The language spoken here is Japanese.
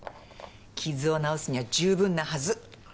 傷を治すには十分なはず。